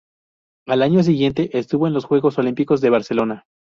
Al año siguiente estuvo en los Juegos Olímpicos de Barcelona.